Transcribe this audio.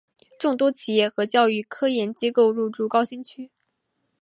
众多企业和教育科研机构入驻高新区。